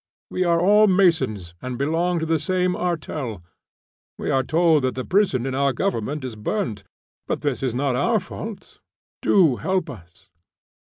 "We are all masons, and belong to the same artel. We are told that the prison in our government is burnt, but this is not our fault. Do help us."